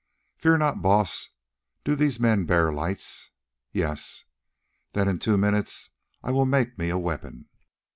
"Fear not, Baas. Do these men bear lights?" "Yes." "Then in two minutes I will make me a weapon."